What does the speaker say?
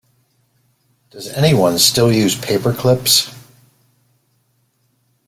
Does anyone still use paper clips?